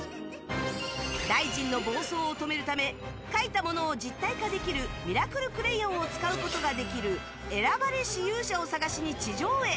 大臣の暴走を止めるため描いたものを実体化できるミラクルクレヨンを使うことができる選ばれし勇者を探しに地上へ。